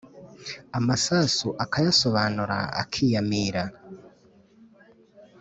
Amasasu akayasobanura akiyamira